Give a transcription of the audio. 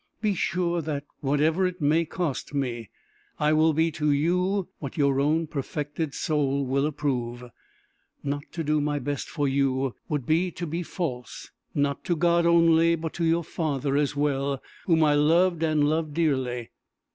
Be sure that, whatever it may cost me, I will be to you what your own perfected soul will approve. Not to do my best for you, would be to be false, not to God only, but to your father as well, whom I loved and love dearly.